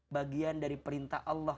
bagian dari perintah allah